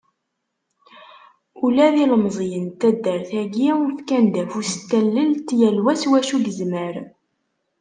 Ula d ilmeẓyen n taddart-agi, fkan-d afus n tallelt, yal wa s wacu i yezmer.